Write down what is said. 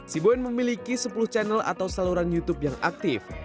sibuen memiliki sepuluh channel atau saluran youtube yang aktif